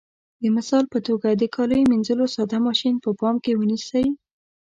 د مثال په توګه د کالیو منځلو ساده ماشین په پام کې ونیسئ.